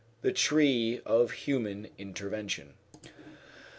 THE TREE OF HUMAN INVENTION.